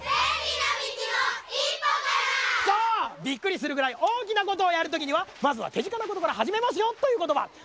びっくりするぐらいおおきなことをやるときにはまずはてぢかなことからはじめますよということば。